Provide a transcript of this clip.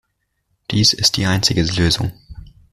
Dies ist die einzige Lösung.